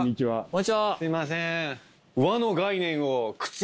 すいません。